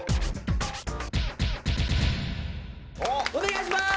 お願いします！